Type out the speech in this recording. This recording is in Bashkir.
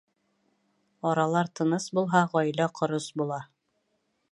Аралар тыныс булһа, ғаилә ҡорос була.